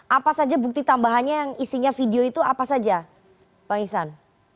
apa saja bukti tambahannya yang isinya video itu apa saja bang iksan